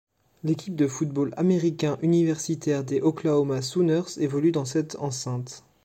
L'équipe de football américain universitaire des Oklahoma Sooners évolue dans cette enceinte.